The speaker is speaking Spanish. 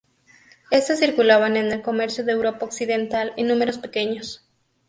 Estos circulaban en el comercio de Europa occidental en números pequeños.